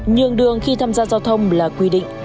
nhường đường khi tham gia giao thông là quy định